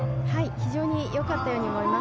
非常に良かったように思います。